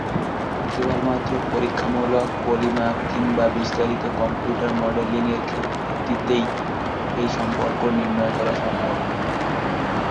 কেবলমাত্র পরীক্ষামূলক পরিমাপ কিংবা বিস্তারিত কম্পিউটার মডেলিং এর ভিত্তিতেই এই সম্পর্ক নির্ণয় করা সম্ভব।